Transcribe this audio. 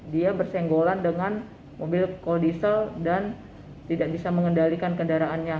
dia bersenggolan dengan mobil koldiesel dan tidak bisa mengendalikan kendaraannya